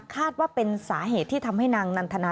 คาดว่าเป็นสาเหตุที่ทำให้นางนันทนาเสียชีวิต